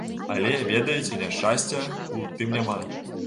Але, ведаеце, няшчасця ў тым няма.